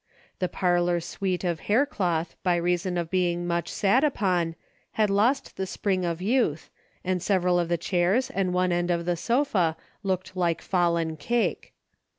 The parlor suite of haircloth, by rea son of being much sat upon, had lost the spring of youth, and several of the chairs and one end of the sofa looked like fallen cake.